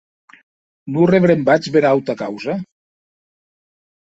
Non rebrembatz bèra auta causa?